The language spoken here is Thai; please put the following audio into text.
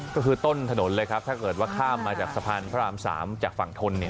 ก็คือต้นถนนเลยครับถ้าเกิดว่าข้ามมาจากสะพานพระราม๓จากฝั่งทนเนี่ย